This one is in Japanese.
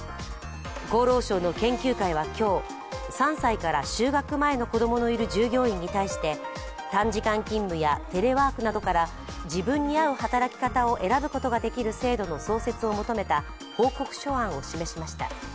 厚労省の研究会は今日３歳から就学前の子供のいる従業員に対して短時間勤務やテレワークなどから自分に合う働き方を選ぶことができる制度の創設を求めた報告書案を示しました。